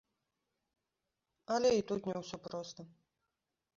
Але і тут не ўсё проста.